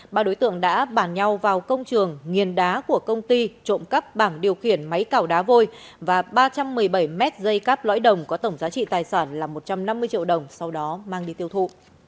ba đối tượng đã bàn nhau vào công trường nghiền đá của công ty trộm cắp bảng điều khiển máy cào đá vôi và ba trăm một mươi bảy mét dây cáp lõi đồng có tổng giá trị tài sản là một trăm năm mươi triệu đồng sau đó mang đi tiêu thụ